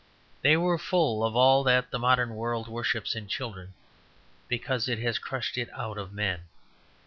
They were full of all that the modern world worships in children, because it has crushed it out of men.